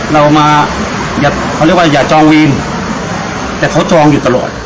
เรามาอย่าเขาเรียกว่าอย่าจองวีนแต่เขาจองอยู่ตลอด